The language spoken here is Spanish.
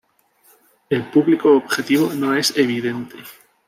El público objetivo no es evidente.